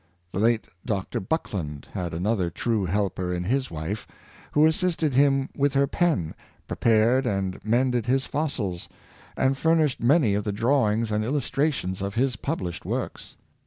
The late Dr. Buckland had another true helper in his wife, who assisted him with her pen, prepared and mended his fossils, and furnished many of the drawings and illustrations of his published works.